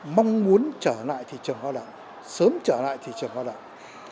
mong muốn trở lại thị trường lao động sớm trở lại thị trường lao động